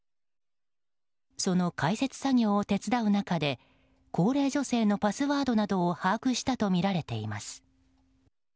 その開設作業を手伝う中で高齢女性のパスワードなどを把握したとみられています。